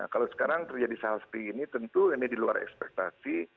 kalau sekarang terjadi hal seperti ini tentu ini di luar ekspektasi